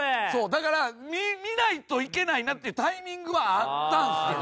だから見ないといけないなっていうタイミングはあったんですけど。